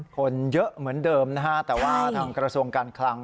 คนเยอะเหมือนเดิมนะฮะแต่ว่าทางกระทรวงการคลัง